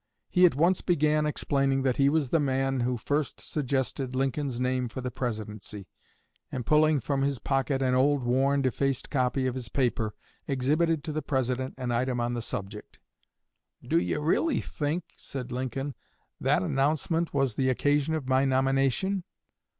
He at once began explaining that he was the man who first suggested Lincoln's name for the Presidency, and pulling from his pocket an old, worn, defaced copy of his paper, exhibited to the President an item on the subject. "Do you really think," said Lincoln, "that announcement was the occasion of my nomination?"